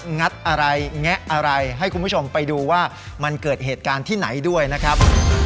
งัดอะไรแงะอะไรให้คุณผู้ชมไปดูว่ามันเกิดเหตุการณ์ที่ไหนด้วยนะครับ